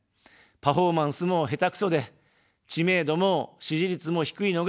パフォーマンスも下手くそで、知名度も支持率も低いのが現状です。